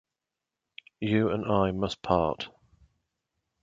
You and I must part.